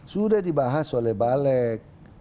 sudah dibahas oleh balek